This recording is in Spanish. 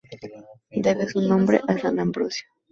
Debe su nombre a San Ambrosio.